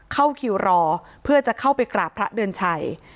เข้าคิวรอเพื่อจะเข้าไปกราบพระเดือนชัย